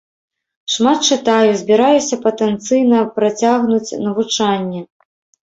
Шмат чытаю, збіраюся патэнцыйна працягнуць навучанне.